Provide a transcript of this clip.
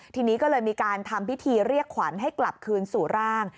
ทีนี้ก็เลยมีการทำพิธีเรียกขวัญให้กลับคืนสู่ร่าง